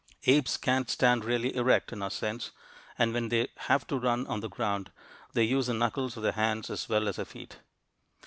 Apes can't stand really erect in our sense, and when they have to run on the ground, they use the knuckles of their hands as well as their feet.